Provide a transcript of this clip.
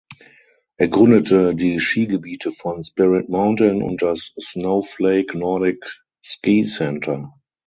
Er gründete die Skigebiete von "Spirit Mountain" und das "Snowflake Nordic Ski Center".